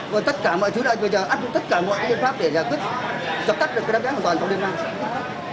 và tất cả mọi thứ là bây giờ áp dụng tất cả mọi cái pháp để giải quyết giải cắt được cái đám cháy hoàn toàn trong đêm nay